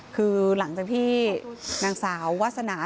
คือหลังจากที่นางสาววาสนา